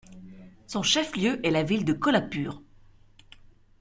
Son chef-lieu est la ville de Kolhapur.